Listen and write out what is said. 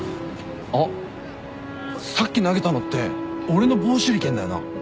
あっさっき投げたのって俺の棒手裏剣だよな？